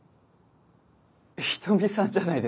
仁美さんじゃないですか！